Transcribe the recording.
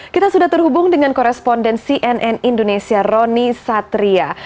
kita sudah terhubung dengan koresponden cnn indonesia roni satria